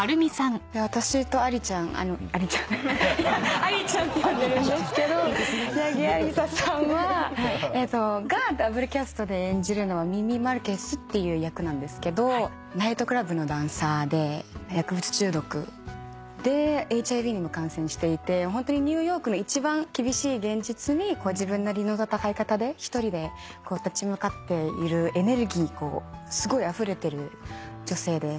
私とアリちゃんアリちゃんって呼んでるんですけど八木アリサさんがダブルキャストで演じるのはミミ・マルケスっていう役なんですけどナイトクラブのダンサーで薬物中毒でＨＩＶにも感染していてホントにニューヨークの一番厳しい現実に自分なりの戦い方で一人で立ち向かっているエネルギーこうすごいあふれてる女性です。